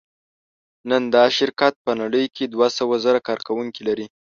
نن دا شرکت په نړۍ کې دوهسوهزره کارکوونکي لري.